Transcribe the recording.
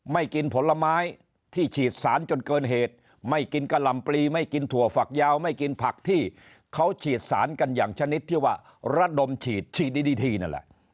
ไม่กินผลไม้ที่ฉีดสารจนเกินเหตุไม่กินกะหล่ำปลีไม่กินถั่วฝักยาวไม่กินผักที่เขาฉีดสารกันอย่างชนิดที่ว่าระดมฉีดฉีดดีทีนั่นแหละ